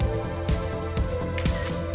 mencari angle yang penting